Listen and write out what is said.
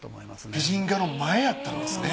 美人画の前やったんですね。